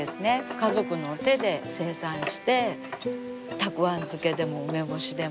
家族の手で生産してたくあん漬けでも梅干しでもらっきょう漬けでも。